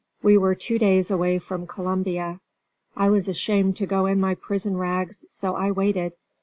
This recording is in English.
We were two days away from Columbia. I was ashamed to go in my prison rags, so I waited.